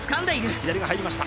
左が入りました。